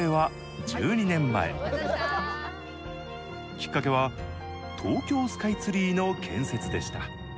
きっかけは東京スカイツリーの建設でした。